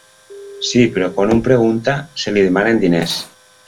Sí, però quan un pregunta, se li demanen diners.